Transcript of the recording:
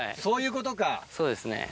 そうですね。